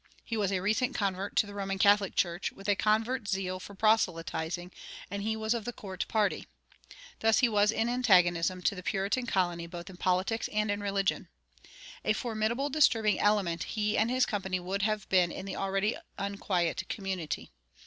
He was a recent convert to the Roman Catholic Church, with a convert's zeal for proselyting, and he was of the court party. Thus he was in antagonism to the Puritan colony both in politics and in religion. A formidable disturbing element he and his company would have been in the already unquiet community.